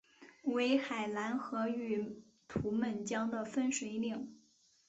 为海兰河与图们江的分水岭。